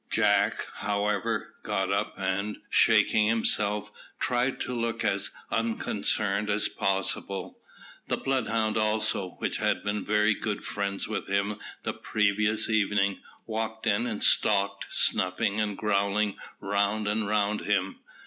Jack, however, got up, and, shaking himself, tried to look as unconcerned as possible. The bloodhound also, which had been very good friends with him the previous evening, walked in and stalked, snuffing, and growling round and round him.